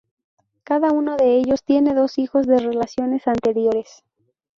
Cada uno de ellos tiene dos hijos de relaciones anteriores.